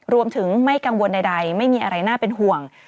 ไม่กังวลใดไม่มีอะไรน่าเป็นห่วง